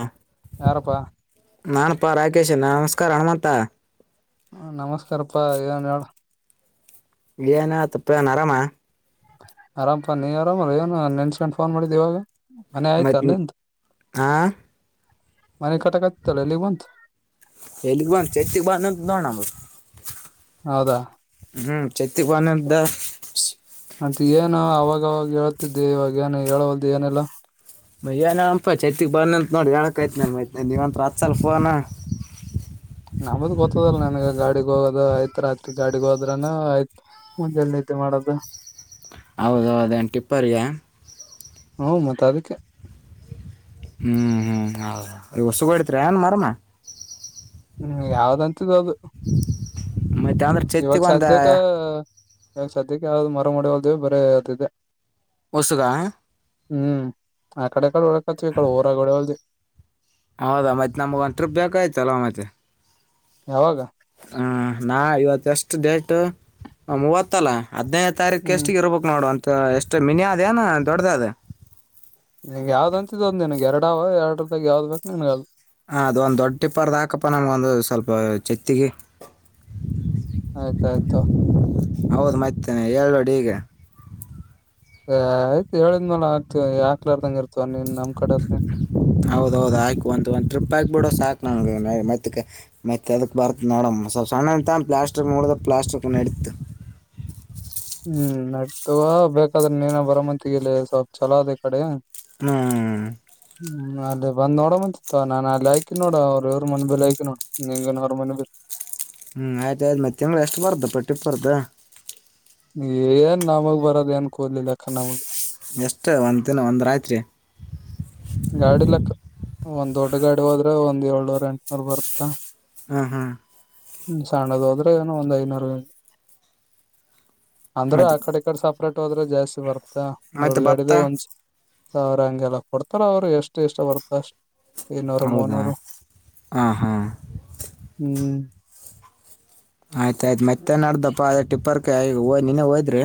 ಹಾ [inaudible] ಯಾರಪ್ಪಾ ನಾನಪ್ಪಾ ರಾಕೇಶ ನಮಸ್ಕಾರ ಹನುಮಂತ ಹ ನಮಸ್ಕಾರಪ್ಪಾ ಏನ್ ಹೇಳ ಎನತಪ್ಪ ಅರಾಮ ಆರಾಮ ಪ ನೀ ಆರಾಮನ್ಸ್ಟ್ಫೋ [unintelligible] ನ್ ಮಾಡ ದಾಗ ಮತ್ ಆ ಮನೆ ಕಟಕಟ್ ತಲ್ ಎಲ್ಲಿಬಂತ್ ಎಲ್ಲಿಗ್ ಬಂದ್ ಚರ್ಚಿಗ್ ಬಂದ್ ನಿಂತ್ ನೋಡ್ ನಮ್ದು ಹೌದಾ ಚೈತ್ರ ಬನಂದ [unintelligible] ಅಂತ ಏನು ಅವಾಗವಾಗ ಹೇಳ್ತಿದ್ದೆ ಇವಾಗ ಏನು ಹೇಳೋವಲ್ದು ಏನೆಲ್ಲಾ ಬಯ್ಯಏನನಪ್ಪ ಚೈತಿಗೆ ಬನ್ನಿ ಅಂತ ನೋಡಿ ಹೇಳಕಾಯ್ತ ನಾನು ಮೈ್ತೆ ನೀವಂತ ಹತ್ ಸಲ್ ಫೋನಾ [unintelligible] ನಮ್ಮದು ಗೊತ್ತದಲ್ಲ ನಿನ್ಗ ಗಾಡಿಗೆ ಹೋಗೋದು ಆಯ್ತ್ ರಾತ್ರಿ ಗಾಡಿಗೆ ಹೋದ್ರನ ಆಯ್ತ್ ಮಂಜಲೆ ನಿದ್ದೆ ಮಾಡೋದು ಹೌದು ಅದೇನು ಟಿಪ್ಪರಿಯಾ ಹ್ಮ ಮತ ಅದಿಕ್ಕೆ ಹ್ಮ್ ಹ್ಮ್ ಹೌದ ಹೊಸಗಡತ್ರಿ ಏನ್ ಮರಮ ಹ್ಮ್ ಯಾವ್ದಂತ್ದ ಅದು ಮತ್ತೆ ಅಂದ್ರೆ ಇವಾಗ ಚತ್ತಿಗೆ ಒಂದು ಸಧ್ಯಕ್ಕ ಇವಾಗ ಸಧ್ಯಕ್ಕೆ ಯಾವ್ದ ಮರ [unintelligible] ಮಾಡೋಲ್ದ ಬರೆ ಅದೆ ಇದೆ ಉಸಗ ಹ [unintelligible] [unintelligible] ಹ್ಮ್ ಆ ಕಡೆಡೆ ಇಕ್ಕಡಿ ಹೊಡೆಕತ್ತೀವಿ ಉರಗೋಡೆ ದಿಲ್ಲ ಹೌದಾ ಮತ್ತೆ ನಮ್ಗೆ ಒಂದು ಟ್ರಿಪ್ ಬೇಕಾಯ್ತಲ್ವಾ ಮತ್ತೆ ಯಾವಾಗ ಹಾ ನಾ ಇವತ್ತು ಎಷ್ಟು ಡೇಟ್ ಮೂವತ್ತಲ್ಲ ಹದಿನೈದು ತಾರೀಕು ಹ್ಮ್ ಎಷ್ಟಿಗ್ ಇರ್ಬೇಕು ನೋಡು ಅಂತ್ ಎಷ್ಟು ಮಿನಿ ಅದನ ದೊಡ್ದ ಅದ ನಿಂಗ್ ಯಾವ್ದ್ ಅಂತಿದಂದ್ ನನ್ಗ್ ಎರಡಾವ ಎರಡ್ರುಪಾಯಗ ಯಾವ್ದ್ ಬೇಕ್ ನಿನಗದು ಹ ಅದ ಒಂದು ದೊಡ್ಡ ಟಿಪ್ಪರ್ದ ಹಾಕಪ್ಪಾ ನಮ್ಗ ಒಂದು ಸ್ವಲ್ಪ ಚೆತ್ತಿಗೆ ಆಯ್ತ ಆಯ್ತು ಹೌದು ಮತ್ತೇನೆ ಹೇಳಿ ನೋಡ್ ಈಗೆ ಆಯ್ತು ಹೇಳಿದ್ ಮಲ ಆಗ್ತತಿವಿ ಯಾಕ್ಲರ್ದಂಗ ಇರ್ತಿ ಹೌದೌದು ಆಯ್ತು ಒಂತ ಒಂದು ಟ್ರಿಪ್ ಆಗ್ಬಿಡೋ ಸಾಕು [unintelligible] ನ ಮತ್ತು ಎದಕ್ ಬರ್ತು ದ ನೋಡ ಮ ಸ್ವಲ್ಪ ಸಣ್ಣಇತ್ತಂದ್ರ ಪ್ಲಾಸ್ಟಿಕ್ ಮುಡದ ಪ್ಲಾಸ್ಟಿಕ್ [inaudible] ಹ್ಮ್ ಆಯ್ತು [unintelligible] ತೊಗೊ ಬೇಕಾದ್ರೆ ನೀನ ಬರ ಮಂತಗಿ ಇಲ್ಲಿ ಸ್ವಲ್ಪ ಛಲೋ ಅದ ಈ ಕಡೆ ಹ್ಞೂ ಹ್ಮ್ ಅದು ಬಂದ್ ನೋಡ ಬಂತಿತ್ತು ನಾನ ಅಲ್ಲಿ [unintelligible] ಆಯಕಿ ನೋಡ ಅವ್ರರು ಇವ್ರ ಮನೆ ಬೇಲಿ ಆಯಕಿ ನೋಡ ನಿಂಗ ನರ ಅವ್ರ ಮನೆ ಬಿೇ ಹ್ಮ್ ಆಯ್ತಾ ಮತ್ತ್ ತಿಂಗಳ ಎಷ್ಟು ಬರ್ತದ ಟಿಪ್ಪರ್ದು ಏನ್ ನಮಗ್ ಬರದ ಏನ್ ಕೋದಲಿಲ್ಲ ಅಕ್ಕ ನಮಗ್ ಎಷ್ಟೇ ಒಂದುನ ಒಂದ ರಾತ್ರಿ ಗಾಡಿ ಲೆಕ್ಕ ಕ ಒಂದ್ ದೊಡ್ಡ ಗಾಡಿ ಹೋದ್ರೆ ಒಂದ್ ಏಳ್ನೂರ್ ಎಂಟನೂರ್ ಬರುತ್ತಾ ದ ಹ್ಮ ಹಾ ಹ್ಮ ಸಣ್ಣದು ಹೋದ್ರೆ ಏನೋ ಒಂದ್ ಐನೂರು ಅಂದ್ರ ಆ ಮತ್ತು ಕಡೆ ಕಡೆ ಸಪ್ರೇಟ್ ಹೋದ್ರೆ ಜಾಸ್ತಿ ಬರ್ತಾ ದೊಡ್ಡ ಮತ್ತೆ ಭತ್ತ ಗಾಡಿದು ಒಂದ್ಸ ಸ ಅವ್ರ ಹಂಗೆಲ್ಲ ಕೊಡ್ತಾರ ಅವ್ರು ಎಷ್ಟು ಇಷ್ಟ ಬರ್ತ ಅಷ್ಟ ಇನ್ನುರ ಹೌದಾ ಮುನ್ನೂರು ಹಾಂ ಹಾಂ ಹ್ಮ್ ಆಯ್ತಾಯಯ್ತ ಮತ್ತೆ ನಡ್ದಪ್ಪಾ ಅದ ಟಿಪ್ಪರ್ಕ ನಿನ್ನೇ ಹೋದ್ರಿ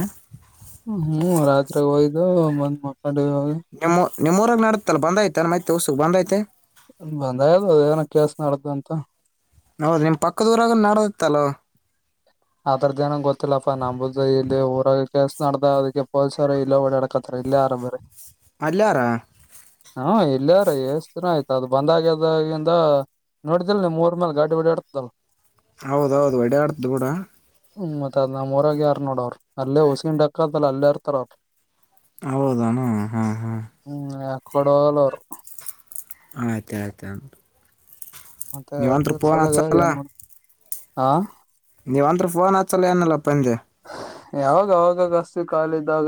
ಹ್ಮ್ ರಾತ್ರಿಗ್ ಹೋಯ್ದು ಬಂದ್ ಮಕ್ಕೊಂಡಿವಾಗ ನಿಮ್ಮ್ರಗೆ ನಡುತ್ತಲ್ಲ ಬಂದ ಆಯ್ತ ಬಂದಾಯ್ತುಅ ಉಸಕ್ ಮತ್ತು ಬಂದ್ಯ್ತೆ ಬಂದಾಯದು ಏನ ಕೆೇಸ ನಡ್ದ ಅಂತ ಹೌದ ನಿಮ್ ಪಕ್ಕದಊರಾಗ ನಡದತ್ತಲವ ಅದ್ರದ್ದ ನಂಗ್ ಗೊತ್ತಿಲ್ಲಪ್ಪಾ ನಂಬುದ ಇಲ್ಲಿ ಊರ ಕೆಲ್ಸ ನಡ್ದ ಅದಕ್ಕೆ ಪೊಲೀಸರು ಇಲ್ಲೋ ಓಡಾಡಕತ್ ಇಲ್ಲಾರಾ ಅಲ್ಲೆರ ಹ ಇಲ್ಲಿ ಯಾರ ಎಷ್ಟ ದಿನ ಆಯ್ತು ಅದು ಬಂದಾಗ್ಯದಾಗಿಂದ ನೋಡಿದಿಲ್ ನೀಮ್ ಮೂರ್ ಮೇಲ್ ಗಾಡಿ ಓಡಾಡುತ್ತದಲ್ಲ ಹೌದೌದು ಓಡಾಡ್ತು ಕೂಡ ಮತ್ತತ್ ಅದ ನಮ್ಮೂರ ಯಾರು ನೋಡ ಅವರು ಅಲ್ಲೇ ಹುಸಗಿಂಡಕ್ಕತಲ್ಲ ಅಲ್ಲೇ ಇರ್ತಾರ ಅವರು ಹೌದನು ಹಾ ಹಾ ಹೋಗಲ್ಲ ಅವರು ಆಯ್ತ ಆಯ್ತ ಮತ್ತೆ ಅದ ಸಲಾಗ ಏನ್ ಮಾಡ ಹಾ ನೀವು ಅಂದ್ರ ಫೋನ್ ಹಚ್ಚಲ್ಲ ಏನಲ್ಲಪ್ಪ ಅಂದೆ ಹೇ ಹೌದು ಹೌದು ದೋಸ್ತ ಹಚ್ತೀವಿ ಖಾಲಿ ಇದ್ದಾಗ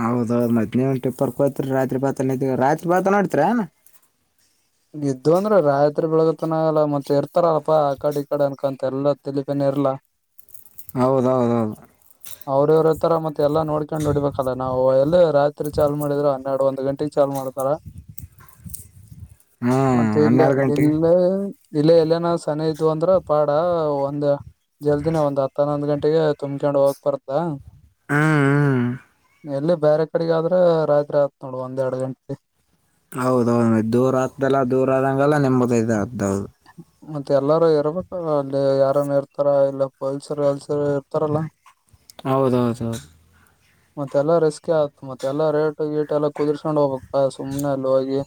ಹೌದೌದು ಮ್ತ್ ನೀವಂಟ ಇಪ್ಪರ್ ಕೋಯತರಿ ರಾತ್ರಿ ಭಾತ ರಾತ್ರಿ ಭಾತ ನೋಡ್ತರ ಇದ್ ಅಂದ್ರ ರಾಯತ್ರಿ ಬೆಳಗತ್ನಲ್ಲ ಮತ್ತತ್ ಇರ್ತಾರಲ್ಲಪಾ ಆ ಕಡೆ ಈ ಕಡೆ ಅನ್ಕಂತ ಎಲ್ಲ ತಿಲಿಪೇನ ಇರ್ಲಾ ಹೌದೌದೌದು ಅವ್ರವ್ರತರ ಮತ್ತೆ ಎಲ್ಲ ನೋಡ್ಕೊಂಡ್ ಹೊಡಬೇಕಲ್ಲ ನಾವು ಎಲ್ಲಿ ರಾತ್ರಿ ಚಾ ಮಾಡಿದ್ರೆ ಹನ್ನೆರ ಒಂದು ಗಂಟೆಗೆ ಚಾಲ್ ಮಾಡ ಮಾಡ್ತಾರ ಹ್ಞೂ ಮತ್ತೆ ಇಲ್ಲ ಹನ್ನೆರಡು ಗಂಟೆಗೆ ಇಲ್ಲ ಇಲ್ಲ ಎಲ್ಲನ ಸನ ಇದ್ ಅಂದ್ರ ಪಾಡ ಒಂದ ಜಲ್ದಿನ ಒಂದ್ ಹನ್ನೊಂದ್ ಗಂಟೆಗೆ ತುಂಬ್ಕೊಂಡ್ ಹೋಗ್ಬಾರ್ದಾ ಹ್ಮ್ ಹ್ಮ್ ಎಲ್ಲಿ ಬೇರೆ ಕಡೆಗ ಆದ್ರೆ ರಾತ್ರಿ ಆಯತ್ ನೋಡ್ ಒಂದ್ ಎರಡು ಗಂಟೆ ಹೌದೌದು ದೂರ ಆಗ್ದೆಲ್ಲ ದೂರ ಆದಂಗಲ್ಲ ನಿಮ್ಮದ ಅ್ದದು ಮತ್ತೆ ಎಲ್ಲಾರೂ ಇರ್ಬೇಕಲ್ಲ ಅಲ್ಲಿ ಯಾರನ್ ಇರ್ತಾರ ಇಲ್ಲ ಪೊಲ್ಸರು ಎಲ್ಸರು ಇರ್ತಾರಲ್ಲ ಹೌದೌದೌದು ಮತ್ತೆಲ್ಲಾ ರೆಸ್ ಆಯತು ಮತ್ತೆ ಎಲ್ಲಾ ರೇಟ್ ಗೀಟ್ ಎಲ್ಲ ಕುದುರ್ಸ್ಕೊಂಡ್ ಹೋಗ್ಬೇಕಕಸುಮ್ನೆ ಅಲ್ಲಿ ಹೋಗಿ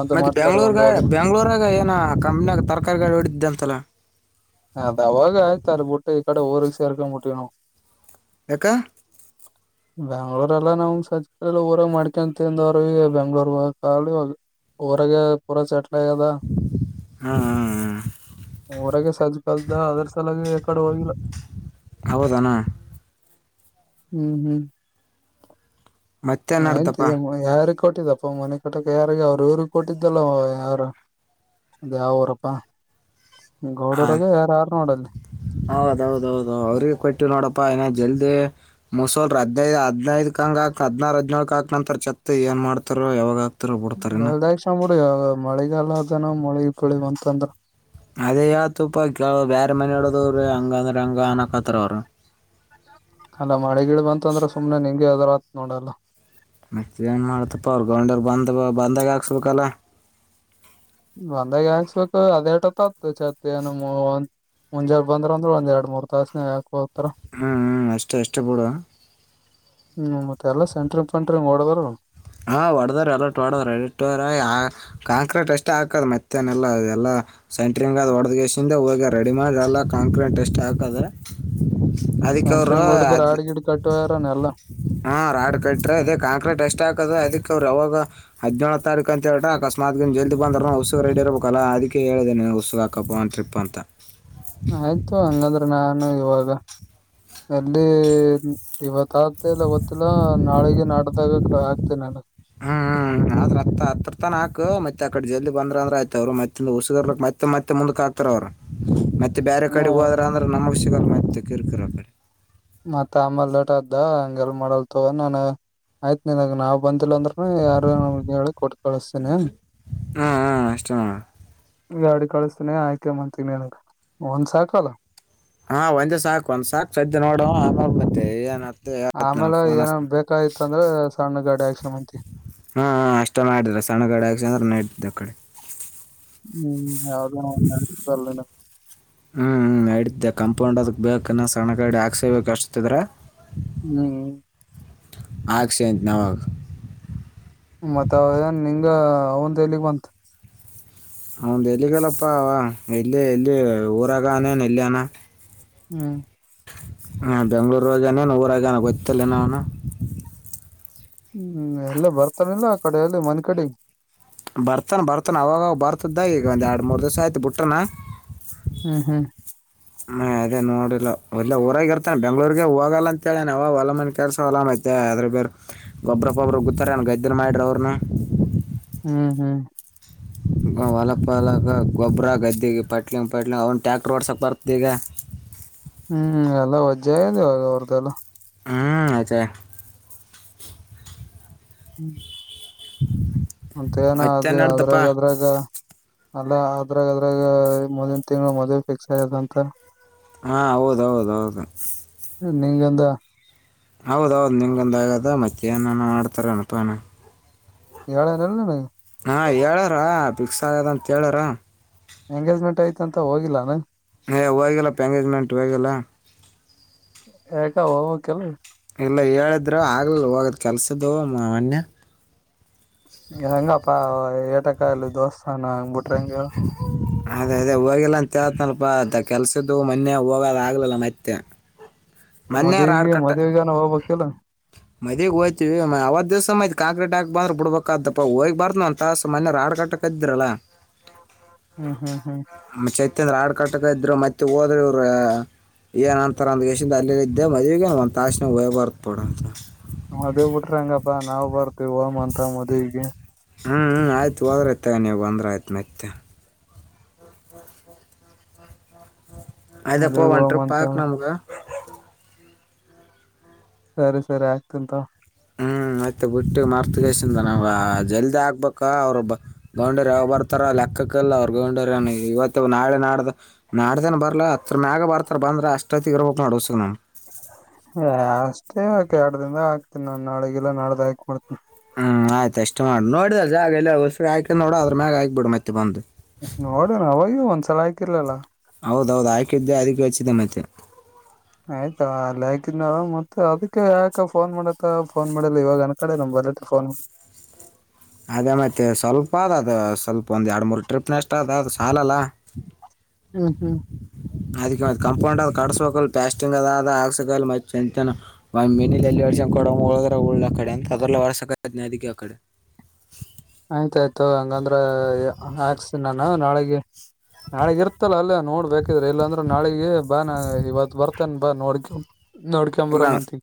ಒಂದ್ ಮತ್ತೆ ಮಾಡ್ತಾಡಿ ಒಂದ್ ಬೆಯಾಂಗ್ಳೂರ್ಮ ಹೋದ್ರ ಬೆಯಾಂಗ್ಳೂರ್ಗ ಏನ ಕಂಪ್ನಿಯಾಗ ತರಕಾರಿ ಗಾಳ ಹಡಿದಿದ್ದ ಅಂತಲ್ಲ ಅದ ಅವಾಗ ಆಯ್ತಾರ ಬಿಟ್ಟೆ ಈ ಕಡೆ ಊರಿಸರ್ಕ ಮುಟ್ಟನ ಎಕ್ಕ ಬೆಮಯಾಂಗಳೂರ್ ಎಲ್ಲ ನಮ್ ಸಜಲ್ಲ ಊರಾಗ ಮಾಡ್ಕೊಂತಿಂದ ಅವ್ರ ಬೆಂಗ್ಳೂರ್ ಕಾಲಿಗಿ ಊರಾಗ ಪೂರ ಚಟ್ಲಗದ ಹ್ಮ್ ಹ್ಮ್ ಊರಾಗ ಸಜ ದ ಅದರ್ಶಲ್ಲ ಎಕಡೆ ವೋಗಲ್ಲ ಹೌದನಾ ಹ್ಮ್ ಹ್ಮ್ ಮತ್ತೇನ್ ನಡ್ದಪ್ಪಾ ಯಾರ ಕೊಟ್ಟಿದಪ್ಪ ಮನೆ ಕಟ್ಟಕ ಯಾರಿಗೆ ಅವ್ರು ಇವ್ರ ಕೊಟ್ಟಿದ್ದಲ್ಲ ಯಾರು ಅದ ಯಾವ ರಪ್ಪ ಹಾ ಹೌದೌದೌದ ಅವ್ರಿಗೆ ಕೊಟ್ಟು ನೋಡಪ್ಪಾ ಏನ ಜಲ್ದಿ ಮಸಲ್ ಹದ್ದು ಹದ್ನೈದ ಕ ಹಂಗಗೆ ಹಾಕ್ ಹದ್ರು ಹದ್ನಾಕ ಹಾಕಕ್ ನಂತರ ಚತ್ ಏನ್ ಮಾಡ್ತಾರೆ ಯಾವಾಗ ಹಾಕ್ತಾರೋ ಬಿಡ್ತಾರ ಇನ್ನ ಎದಾಕ್ಷ ಬಿಡಿ ಮಳಿಗಲ್ಲ ಅದನ ಮಳಗ್ ಬೆಳಿವವ ಅಂತಂದ್ರ ಅದೇ ಯಾವತಪ್ಪ ಕೆಲ ಬೇರೆ ಮನ ಹೇಳಡೋದವ್ರಿ ಹಂಗಂದ್ರ ಹಂಗ ಅನಕತ್ತಾರ ಅವ್ರ ಅಲ್ಲಾ ಮಳೆಗಿಡ ಬಂತ ಅಂದ್ರೆ ಸುಮ್ನೆ ನಿಂಂಗಗೆ ಅದ್ರ ಆತ್ ನೋಡಲ್ಲ ಮತ್ತ ಏನ್ ಮಾಡ್ತಪ್ಪ ಅವ್ರು ಗೌಂಡರು ಬಂದ ಬಂದಾಗ ಹಾಕ್ಸ್ಬೇಕಲ್ಲ ಒಂದಾಗ ಹಕ್ಸ್ಬೇಕು ಅದೇಟತ ಚತ್ ಏನ ಒ ಮುಂಜೆ ಬಂದ್ರ ಅಂದ್ರೆ ಒಂದ ಎರಡ್ ಮೂರ್ ತಾಸನೆ ಯಾಕ ಹ ಹ್ಮ್ ಹ್ಮ ಅಷ್ಟೇ ಅಷ್ಟೇ ಬಿಡುುವ ಹ್ಮ್ ಮತ್ತೆ ಎಲ್ಲ ಸೆಂಟ್ರಿಂಗ್ಫೆಂಟ್ರಿಂಗ ಓಡದರು ಹಾ ಹೊಡದ್ರ ಎಲ್ಲ ಹೊಡದ್ರ್ರ ಕಾಂಕ್ರೀಟ್ ಅಷ್ಟೇ ಹಾಕದ ಮತ್ತೇನೆಲ್ಲ ಎಲ್ಲ ಸೆಂಟ್ರಿಂಗ್ ಅದು ಹೊಡದಗೆಸಿಂದ ಹೋಗಿ ರೆಡಿ ಮಾಡಿ ಅಲ್ಲ ಕಾಂಕ್ರೀಂಟ್ ಟೆಸ್ಟ್ ಹಾಕ್ರೆ ಅದಕ್ಕೆ ಅವರು ಸೆಂಟ್ರಿಂಗ್ ಹೊಡದ್ರ ಅದ ಆಡ್ ಗಿಡ್ ಕಟ್ಟೋಯಾರನ ಎಲ್ಲಾ ಹಾ ರಾಡ್ ಕಟ್ರೆ ಅ ಕಾಂಕ್ರೀಟ್ ಎಷ್ಟ ಅದಕ್ಕೆ ಅವರು ಅವಾಗ ಹದಿನೇಳ ತಾರೀು ಅಂತ ಹೇಳ್ರ ಅಕಸ್ಮಾತ್ ಜಲ್ ಬಂದ್ರಸ ರಡ್ಡಿರ್ಬೇಕ ಅಲ್ಲ ಅದಕ್ಕೆ ಹೇಳಿದೆ ಉಸ ಹಾಕಪ್ಪ ಒನ್ ಟ್ರಿಪ್ ಅಂತ ಆಯ್ತು ಹಂಗಂದ್ರೆ ನಾನು ಇವಾಗ ಅಲ್ಲಿ ಇವತ್ ಆಗ್ತ ಇಲ್ಲ ಗೊತ್ತಿಲ್ಲ ನಾಳೆಗೆ ನಾಟ್ದಾಗ ಆಗ್ತೇನೆ ಅಲ್ಲ ಹ್ಮ್ತ್ ಹತ್ರತನ ಹಾಕ ಮತ್ತೆ ಆಕಡೆ ಜಲ್ ಬಂದ್ರ ಅಂದ್ರ ಆಯ್ತ ಅವರು ಮತ್ತ ಹಸಗರ್ಕ್ ಮತ್ತ ಮತ್ತೆ ಮತ್ತೆ ಮುಂದಕ್ ಹಕ್ತಾರ ಅವ್ರು ಮ ಬೇರೆ ಹ್ಮ ಕಡೆ ಹೋದ್ರ ಅಂದ್ರೆ ನಮ್ಮ ವಿಷಯ ಮಿರ್ಕಿರ ಕಡೆ ಅ ಹಂಗೆಲ್ ಮಾಡಲ್ ತಗ ನಾನನ್ ಆಯ್ತ್ ನಿನ್ಗ ನಾವ್ ಬಂದಂತಿಲ್ಲ ಅಂದ್ರ ಹ ಯಾರು ಕೊಡ್ತಳಸತೀನೆ ಹ್ಮ್ ಹ್ಮ್ ಅಷ್ಟೇ ನೋಡ ಗಾಡಿ ಕಳಿಸಸ್ತನನೆ ಆಯ್ಕಂಬಂತೀನಿ ನನ ಒಂದ್ ಸಾಕಲ್ಲ ಹಾ ಒಂದೇ ಸಾಕ್ ಒಂದ್ ಸಾಕಕ್ ಸದ್ದ ನೋಡು ಆಮಾಗ ಮತ್ತೆ ಏನ್ ಆಮೇಲೆ ಏನನ್ ಬೇಕಾಯ್ತ ಅಂದ್ರೆ ಸಣ್ಣ ಗಾಡಿ ಆಕ್ಸು ಮಂತಿ ಹಾ ಹ ಅಷ್ಟೇ ಮಾಡಿದ್ರ ಸಣ್ಣಗಡ ಹಕಸ ಅಂದ್ರ ನೆಡ್ತಿದ್ದ್ ಆ ಕಡೆ ಹ್ಮ್ ಯಾವ್ದ ನತಲ್ಲ ಹ್ಮ್ ಹ್ಮ ಇಡತಿದ್ದೆ ಕಂಪೌಂಡ್ ಅದ ಬೇಕ ಸಣ್ಣ ಗಡಿ ಹಾಕ್ಸೇಬೇಕ ಅಷ್ಟತದ್ರ ಹ್ಮ್ ಆ ಸೆ ನವ ಮತ್ತ ಅವನ್ ನಿಂಗ ಅವಂದ ಎಲಿಗ್ ಬಂತ ಅವ್ದ ಎಲ್ಲಿಗಲ್ಲಪ್ಪ ಅವ ಎಲ್ಲಿ ಎಲ್ಲಿ ಊರಾಗ ಅನೇನು ಎಲ್ಲಿ ಅನ ಹ್ಮ್ ಹಾ ಬೆಂಗ್ಳೂರಾಗಾನೇನು ಊರಾಗಾನ ಗೊತ್ತಿಲ್ಲ ನ ಅವನು ಹ್ಮ್ ಎಲ್ಲ ಬರ್ತಾರಿಲ್ಲ ಕಡೆಯಲ್ಲಿ ಮನೆ ಕಡೆ ಬರ್ತಾನ ಬರ್ತಾನ ಅವವಾಗ ಬರ್ತದ್ದಾಗ ಈಗ ಒಂದು ಎರಡು ಮೂರು ದಿವಸ ಆಯ್ತು ಬಿಟ್ಟಾನ ಹ್ಮ್ ಹ್ಮ್ ಹ್ ಅದೇ ನೋಡಿಲ್ಲ ಒಲ್ಲೆ ಊರಾಗ ಇರ್ತಾನೆ ಬೆಂಗ್ಳೂರ್ಗೆ ಹೋಗಲ್ಲ ಅಂತೇಳೇನೆ ಅವ ಹೊಲಾಮನ ಕೆಲ್ಸ ಹೊಲಾಮ ಅದ್ರ ಬೇ ಗೊಬ್ರಪ್ಪೊಬ್ಬರು ಗೊತ್ತಾರೆ ಗದ್ದೆಲು ಮಾಡಿ್ರ ಅವ್ರನು ಹ್ಮ್ ಹ್ಮ್ ಅ ಹೊಲ ಪಾಲ ಅದ ಗೋಬ್ರ ಗದ್ದಿಗಿ ಪ್ಯಾಟ್ಲಿಂವ ಪಟ್ಲಿಂವ ಅವನ್ ಟ್ಯಾಕ್ಟರ್ ಓಡ್ಸಕ್ ಬರ್ತ ಈಗ. ಹ್ಮ್ ಎಲ್ಲ ವಜ್ಜೆ ಆದೆ ಅವರ್ದೆಲ್ಲ ಹ್ಮ್ ಅತ್ತೆ ಹ್ಮ್ ಮಂತ ಏನ ಮತ್ತೆ ಅದೇ ನಡ್ದಪ್ಪ ಅದ್ರಾಗ ಅದ್ರಾಗ ಅಲ್ಲ ಅದ್ರಾಗ ಅದ್ರಾಗ ಮುಂದಿನ ತಿಂಗಳು ಮದ್ವೆ ಫಿಕ್ಸ್ ಆಯ್ಯದ ಅಂತ ಹಾ ಹೌದೌದ ಹೌದು ನೀಂಗಂತ ಹೌದೌದ್ ನಿಂಗಂದ ಆಗದ ಮತ್ತೆ ಏನಾನ ಮಾಡ್ತಾರ ಅನಪನ ಹೇಳ್ಯಾರಿಲ್ಲ. ಹಾ ಹೇಳ್ಯಾರ ಪಿಕ್ಸ್ ಆಗ್ಯದಂತ ಹೇಳ್ಯಾರ. ಎಂಗೇಜ್ಮೆಂಟ್ ಆಯ್ತ್ ಅಂತ ಹೋಗಿಲ್ಲ ಅನ. ಏ ಹೋಗಿಲ್ಲಪ್ಪ ಎಂಗೇಜ್ಮೆಂಟ್ ಹೋಗಿಲ್ಲ. ಯಾಕ ಹೋಬೇಕಿಲ್. ಇಲ್ಲ ಹೇಳಿದ್ರ ಆಗ್ಲಿಲ ಹೋಗದ್ ಕೆಲ್ಸ ಇದ್ದು ಮನ್ನೆ. ಹೆಂಗಪ್ಪ ಏಟಕಾಗಾಲಿ ದೋಸ್ತ ಹನಾ. ಅದೇ ಅದೇ ಹೋಗಿಲ್ ಅಂತ್. ತ್ಯತನಪಾ ಅದ್ದ ಕೆಲ್ಸ ಈದ್ದು ಮನ್ನೆ ಹೋಗದ ಆಗ್ಲಿಲ್ಲ ಮತ್ತೆ. ಮನ್ನೆ ರಾಡ್ ಮದ್ವಿಗೆ ಕಟ್ಟ್ ಮದ್ವಿಗನ ಹೋಗ್ಬೇಕಿಲ್ಲ ಮದ್ವಿಗಿ ಹೋಯ್ತವಿ ಮ ಅವತ್ ದಿವ್ಸ ಮದೀ ಕಾಂಕ್ರೀಟ್ ಹಾಕ್ ಬಾ ಅಂದ್ರ ಬುಡ್ಬಬೇಕ ಆತದಪ ಹೋಗ್ ಬಾರನ ಒಂದ್ ತಾಸ್ ಮನ್ನೆ ರಾಡ್ ಕಟ್ಟ ಕದ್ದಿರಲ್ಲಾ. ಹ್ಮ್ ಹ್ಮ್ ಹ್ಮ್ ತಿಂದ್ರ ಆಡ್ ಕಟಕ ಇದ್ರು ಮತ್ತ ಹೋದ್ರ ಇವರು ಅ ಏನ್ ಅಂದಗೆಸಿ ಸಿಂದ ಅಲ್ಲೆ ಇದೆ ಮದವಿಗ ಒಂದ ತಾಸ್ನ್ಯಾಗ್ ಹೋಗ್ ಬರ್ತ್ ಬುಡ. ವಾ ನಾವ್ ಬರ್ತೀವಿ ಹೋಗಮ್ ಅಂತ ಮದ್ವಿಗಿ. ಹ್ಮ್ ಹ ಆಯ್ತ ಹೋದ್ರ ಐತ್ ತಗ ನೀವು ಬಂದ್ರ ಆಯ್ತ ಮತ್ತೆನ. ಆಯಿತಪೋ ಮದ್ವಿಗ್ ಒಂದ್ ಟ್ರಿಪ್ ಹೋಮಂತ ಹಾಕ್ ನಮೂಗ. ಸರಿ ಸರಿ ಹಾಕ್ತೀನಿ ತೋ. ಮತ್ತ್ ಬುಟ್ಟಿ ಮರ್ತಗೆಸಿಂದ ನಾವಾ ಜಲ್ದಿ ಆಗ್ಬೇಕ ಅವ್ರು ಬ ಗೌಂಡೆರ್ ಯಾವಾಗ್ ಬರ್ತಾರ ಲೆಕ್ಕ ಲೆಕ್ಕಿಲ್ ಅವ್ರ ಗೌಂಡೆರ್ ಎನ್ ಇವತ್ತ ನಾಳೆ ನಾಡ್ದ ನಡ್ದೇನ್ ಬರ್ಲಾ ಹತ್ರ ಮ್ಯಾಗ ಬರ್ತಾರ ಬಂದ್ರ ಅಷ್ಟ ತೀರಬೇಕ ನೋಡ್ ವಸ್ಸು ನಾ ಏ ಅಷ್ಟೇ ಯಾಕ್ ಎರಡ ದಿಂದಾಗ ಹಾಕ್ತೀನಿ ನಾನ ನಾಳಿಗಿಲ್ಲ ನಾಡ್ದ ಹಾಕ ಮಾಡ್ತೀನಿ. ಹ್ಮ್ ಆಯ್ತ ಅಷ್ಟೇ ಮಾಡ ನೋಡಿದಲ್ಲ ಜಾಗ ಎಲ್ಲರ್ ಒಸು ಮ್ಯಾಕಿಂದ ನೋಡ ಅದರ್ ಮ್ಯಾಗ ಹಾಕ್ಬೀಡು ಮತ್ತೆ ಬಂದು. ತಲಾಕಿರಲಲ್ಲ. ಹೌದ ಹೌದು ಹಾಕಿದ್ದೆ ಅದೀಕ್ಕ ಯೋಚನೆ ಮತ್ತೇನ್. ಆಯ್ತಾ ತಗ ಅಲ್ ಹಾಕಿದ್ ನಲ ಮತ್ತ ಅದಿಕ್ಕೆ ಯಾಕ ಫೋನ್ ಮಾಡಕ್ಕ ಫೋನ್ ಮಾಡಿಲ್ಲ ಇವಾಗ ಯಾನ್ ಕಡೆ ನಂಬ ಎದಕ್ ಫೋನ್ ನಿಮಗ. ಅದೇ ಮತ್ತ ಸ್ವಲ್ಪ ಅದ ಅದು ಸ್ವಲ್ಪ ಒಂದ್ ಎರಡು ಮೂರು ಟ್ರಿಪ್ ನಷ್ಟ ಅದ ಅದು ಸಾಲಲ್ಲ. ಹ್ಮ್ ಹ್ಮ್ ಅದೀಕ್ಕೆ ಮತ್ತ ಕಂಪೌಂಡಾದ ಕಡಸಬೇಕಲ್ ಪ್ಯಾಸ್ಟಿಂಗ್ ಅದ ಆದ ಆಗಸಕಲ್ ಮತ್ತ್ ಚೆಂದತ್ಯನ ಓನ್ ಮಿನಿದ ಎಲ್ಲೋ. ರೇಷನ್ ಕೊಡಂವ ಹೋದ್ರ ಹೊಲ ಅಕಂಡ್ಯಂತ್ ಅದರಲೇ ವರ್ಷಕತ್ನಿ ಅದಿಕ್ಕೆ ಅಕಡಿ. ಆಯ್ತಯ್ತ ತೋ ಹಂಗಂದ್ರ ಏ ಹಾಕ್ಸನಿ ನಾನ ನಾಳಿಗಿ. ನಾಳಿಗ್ ಇರ್ತಲ್ಲ ಅಲ್ಲೆ ನೋಡ್ಬೇಕ. ತಿರ್ ಇಲ್ಲಾಂದ್ರ ನಾಳಿಗಿ ಬಾ ನಾ ಇವತ್ ಬರ್ತೇನ್ ಬಾ ನೋಡ್ಕ ಇಲ್ಲ ನೋಡ್ಕೊಂಬರಮಂತಿ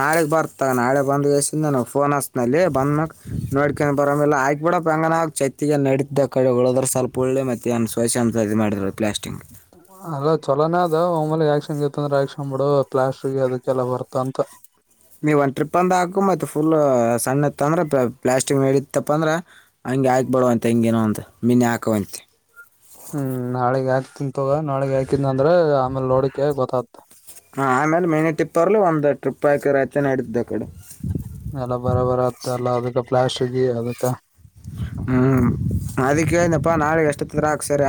ನಾಳೆಗ್ ಬರ್ತ ನಾಳೆ ಬಂದಗೆಸ್ಸಿಂದ ನಾನು ಫೋನ್ ಹಸ ಅಲ್ಲೆ ಬಂದ ಮ್ಯಾಕ್ ನೋಡ್ಕೊಂಡ ಬರಮಿಲ್ ಆಯ್ಕ್ ಬಿಡಪ ಹೆಂಗನ ಹಾಕ್ ಚೆತ್ತಿಗಿ ಎನ್ ನಡಿತ್ತ ಆಕಡ ಉಳದ್ರ ಸ್ವಲ್ಪ ಎಲ್ಲೆ ಮತ್ತೇನ್ ಸೋಷ್ಯಂತ್ ಇದ ಮಾಡಿದ್ರ ಪ್ಲಾಸ್ಟಿಂಗ್. ಅಲ್ಲ ಚಲೋನೇ ಅದ ಒಮ್ಮೇಲೆ ಯಾಕ್ಕ್ಷನ್ ಇತ್ತ ಅಂದ್ರ ಹಾಕ್ಷನ್ ಬಿಡು ಪ್ಲಾಸ್ಟ್ರಗಿ ಅದಕ್ಕೆಲ್ಲ ಬರ್ತ ಅಂತ. ನೀವ ಒಂದ ಟ್ರಿಪಂದ ಹಾಕು ಮತ್ತ ಫುಲ್ ಅ. ಸಣ್ಣ, ಇತ್ತು ಅಂದ್ರೆ! ಪಾ, ಪ್ಲಾಸ್ಟಿಕ್ ನಡತ್ತಪ್ಪ ಅಂದ್ರೆ, ಹಂಗೆ ಹಾಕ್ಬಡುವಂತೆ ಹಿಂಗಗೆನೊ ಒಂದು, ಮೀನ ಹಾಕೋಂತೆ. [inaudible] ಹ್ಮ್, ನಾಳೆ ಆಗ್ತೀನಿ! ತಗೋ, ನಾಳೆ ಹಾಕಿಲ್ಲ ಅಂದ್ರೆ, ಆಮೇಲೆ, ನೋಡಿಕ ಗೊತ್ತತ್? [unintelligible] ಹಾ, ಆಮೇಲೆ, ಮೇನಿ ಟ್ರಿಪ್ಪರು, ಅಲ್ಲೀ, ಒಂದು ಟ್ರಿಪ್, ಹಾಕಿ, ರತ ನಡತಿದ್ದ ಆ, ಕಡೆ. [unintelligible] ಎಲ್ಲ ಬರ ಬರ ಅತ್ತೋ ಎಲ್ಲ ಅದಕ್ಕ ಪ್ಲಾಸ್ಟಿಕ್ಗಿ ಅದಕ್ಕ. ಹ್ಞೂ ಅದೀಕ್ಕ ಹೇಳಿದ್ನಲಪ ನಾಳಿಗ ಎಷ್ಟೊತ್ ಇದ್ರು ಹಾಕ್ಸ್ಯರ.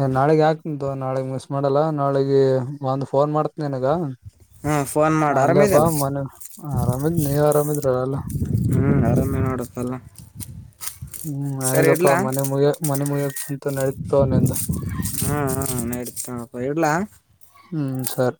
ಏ ನಾಳಿಗಿ ಹಾಕ್ತೀನಿತೋ ನಾಳಿಗ್ ಮಿಸ್ ಮಾಡಲ್ಲ ನಾಳಿಗಿ ಒಂದ ಫೋನ್ ಮಾಡ್ತಿ ನಿನಗ. ಹಾ ಫೋನ್ ಮಾಡು ಅಲ್ಲೆ ಬಾ ಆರಾಮಿದೆಯಲ್ಲ ಮನ್ಯಾಗ ಆರಾಮಿದ್ ನೀವ್ ಆರಾಮಿದ್ರ ಏಲ್ಲ. ಹ್ಮ್ ಆರಾಮೇ ನೋಡಪ್ಪೆಲ್ಲಾ. ಹ್ಮ್ ಆಯ್ದಪ್ಪಾ ಮನೆ ಮುಗಿಯ ಮನೆ ಮುಗಿಯ ಬಂತ ಎನ್ ನಡೀತೋ ನಿಂದ. ಶಾನಪ್ಪ ಇಡ್ಲಾ. ಹ್ಮ ಸರ್.